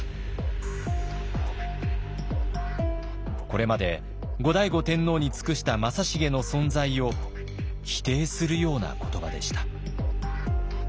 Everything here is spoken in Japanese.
これまで後醍醐天皇に尽くした正成の存在を否定するような言葉でした。